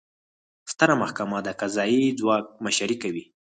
ستره محکمه د قضایي ځواک مشري کوي